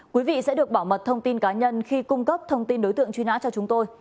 quý vị sẽ được bảo mật thông tin cá nhân khi cung cấp thông tin đối tượng truy nã cho chúng tôi